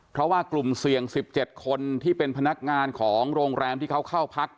เพราะว่ากลุ่มเสี่ยง๑๗คนที่เป็นพนักงานของโรงแรมที่เขาเข้าพัก